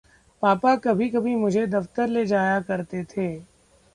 पापा कभी-कभी मुझे दफ़्तर ले जाया करते थे।